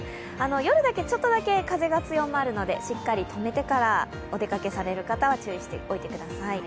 夜、ちょっとだけ風が強まりますのでしっかり止めてからお出かけされる方は注意しておいてください。